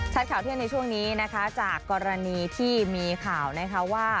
ชัดข่าวเที่ยวในช่วงนี้ครับจากกรณีที่มีข่าวนะครับว่า